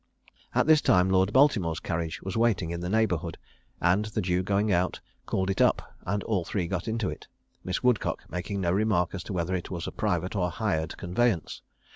At this time Lord Baltimore's carriage was waiting in the neighbourhood, and the Jew going out, called it up, and all three got into it, Miss Woodcock making no remark as to whether it was a private or a hired conveyance.